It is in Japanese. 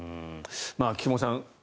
菊間さん